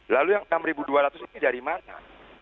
lalu yang enam dua ratus ini jadi mana